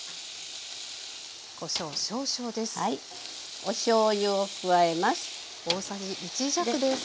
おしょうゆを加えます。